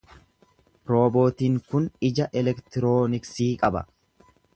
Roobootiin kun ija elektirooniksii qaba.